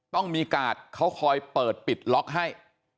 ต้องมีกาดเขาคอยเปิดปิดล็อกให้